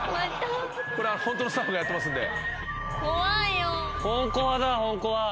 これホントのスタッフがやってますんで。